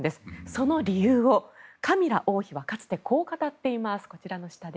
その理由をカミラ王妃はかつてこう語っています。